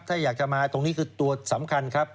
ถ้าอยากจะมาตรงนี้คือตัวสำคัญครับ